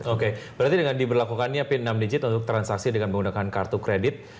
oke berarti dengan diberlakukannya p enam digit untuk transaksi dengan menggunakan kartu kredit